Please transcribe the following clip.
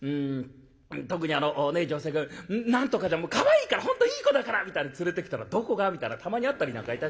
特にあの女性が「何とかちゃんかわいいから本当いい子だから」みたいに連れてきたら「どこが？」みたいなたまにあったりなんかいたします。